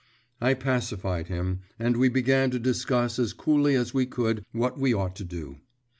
I pacified him, and we began to discuss as coolly as we could what we ought to do.